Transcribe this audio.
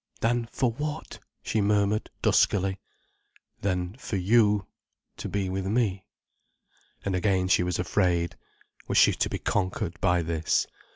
"Than for what?" she murmured duskily. "Than for you—to be with me." And again she was afraid. Was she to be conquered by this?